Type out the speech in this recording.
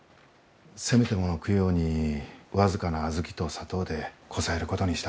せめてもの供養に僅かな小豆と砂糖でこさえることにしたんです。